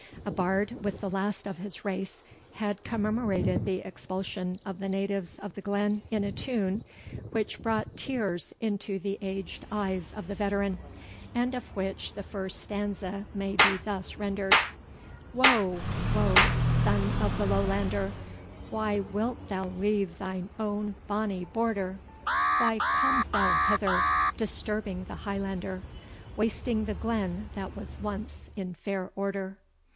A bard, the last of his race, had commemorated the expulsion of the natives of the glen in a tune, which brought tears into the aged eyes of the veteran, and of which the first stanza may be thus rendered: Woe, woe, son of the Lowlander, Why wilt thou leave thine own bonny Border? Why comes thou hither, disturbing the Highlander, Wasting the glen that was once in fair order?